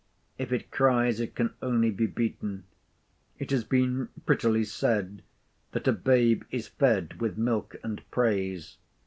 If it cries, it can only be beaten. It has been prettily said that "a babe is fed with milk and praise."